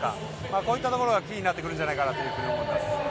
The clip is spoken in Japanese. こういったところがキーになってくるんじゃないかと思います。